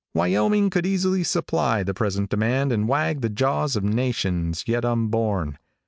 Wyoming could easily supply the present demand and wag the jaws of nations yet unborn.